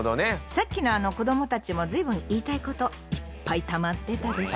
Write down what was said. さっきの子どもたちも随分言いたいこといっぱいたまってたでしょ。